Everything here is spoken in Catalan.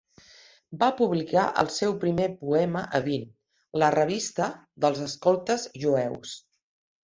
Va publicar el seu primer poema a "Bin", la revista dels escoltes jueus.